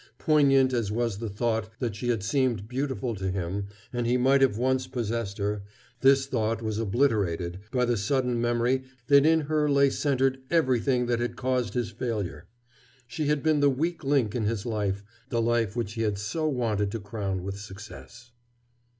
Poignant as was the thought that she had seemed beautiful to him and he might have once possessed her, this thought was obliterated by the sudden memory that in her lay centered everything that had caused his failure. She had been the weak link in his life, the life which he had so wanted to crown with success.